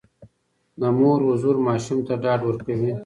د مور حضور ماشوم ته ډاډ ورکوي.